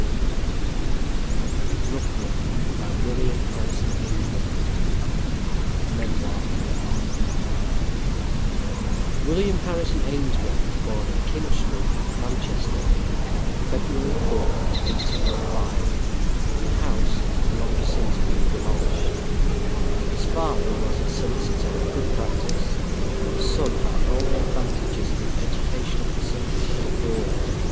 The Dower of Sybil V. The Sarcophagus L'ENVOY NOTES MEMOIR William Harrison Ainsworth was born in King Street, Manchester, February 4, 1805, in a house that has long since been demolished. His father was a solicitor in good practice, and the son had all the advantages that educational facilities could afford.